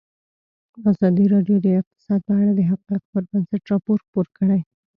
ازادي راډیو د اقتصاد په اړه د حقایقو پر بنسټ راپور خپور کړی.